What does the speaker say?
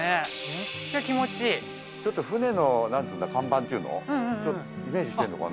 めっちゃ気持ちいい船の甲板っていうのイメージしてんのかな？